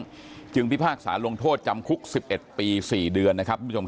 ตามฟ้องจึงทฤษภาคศาลลงโทษจำคุก๑๑ปี๔เดือน